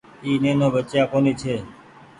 اي نينو ٻچئيآ ڪونيٚ ڇي۔